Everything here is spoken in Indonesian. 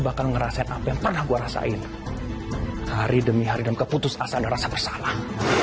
bakal ngerasain apa yang pernah gua rasain hari demi hari dan keputus asa rasa bersalah